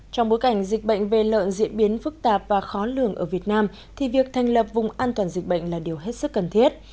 trong bối cảnh dịch bệnh về lợn diễn biến phức tạp và khó lường ở việt nam thì việc thành lập vùng an toàn dịch bệnh là điều hết sức cần thiết